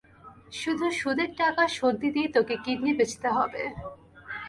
শুধু সুদের টাকা শোধ দিতেই তোকে কিডনি বেঁচতে হবে।